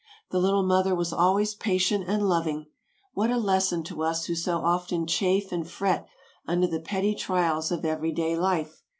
The little mother was always patient and loving—what a lesson to us who so often chafe and fret under the petty trials of every day life!